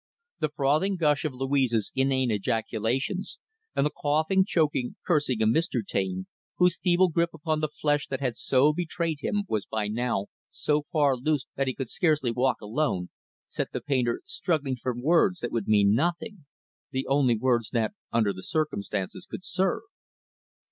The frothing gush of Louise's inane ejaculations, and the coughing, choking, cursing of Mr. Taine, whose feeble grip upon the flesh that had so betrayed him was, by now, so far loosed that he could scarcely walk alone, set the painter struggling for words that would mean nothing the only words that, under the circumstances, could serve.